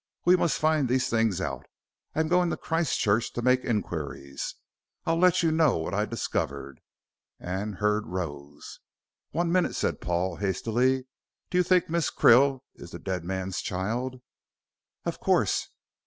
We must find these things out. I'm going to Christchurch to make inquiries. I'll let you know what I discover," and Hurd rose. "One minute," said Paul, hastily. "Do you think Miss Krill is the dead man's child?" "Of course.